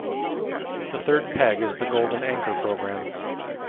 The third peg is The Golden Anchor Program.